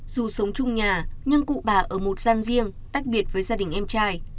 dù sống chung nhà nhưng cụ bà ở một gian riêng tách biệt với gia đình em trai